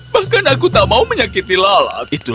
bahkan aku tak mau menyakiti lala